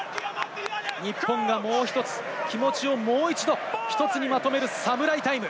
日本がもう一つ気持ちをもう一度、１つにまとめるサムライタイム。